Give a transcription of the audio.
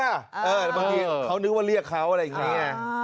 แต่บางทีเขานึกว่าเรียกเขาอะไรอย่างนี้ไง